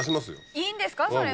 いいんですかそれも。